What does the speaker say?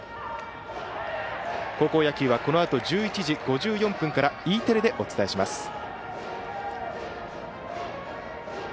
高校野球はこのあと１１時５４分からＥテレでお伝えします。